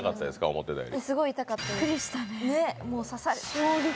思ったより。